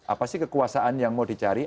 apa sih kekuasaan yang mau dicari